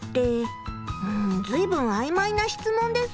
うんずいぶんあいまいな質問ですねえ。